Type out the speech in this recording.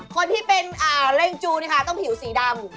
คนที่เป็นเร่งจูนี่ค่ะต้องผิวสีดำ